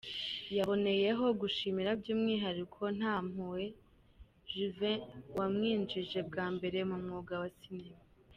Yaboneyeho gushimira by’umwihariko Ntampuhwe Juven wamwinjije bwa mbere mu mwuga wa cinema.